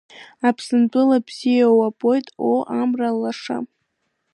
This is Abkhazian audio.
Аԥсынтәыла бзиа уабоит, оо, Амра лаша!